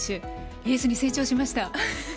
エースに成長しました。